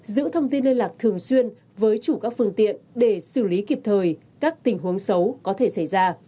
giữ thông tin liên lạc thường xuyên với chủ các phương tiện để xử lý kịp thời các tình huống xấu có thể xảy ra